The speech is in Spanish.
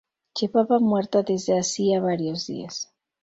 Llevaba muerta desde hacía varios días.